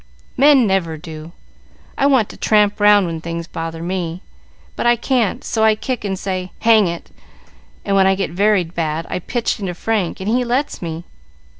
"Men never do. I want to tramp round when things bother me; but I can't, so I kick and say, 'Hang it!' and when I get very bad I pitch into Frank, and he lets me.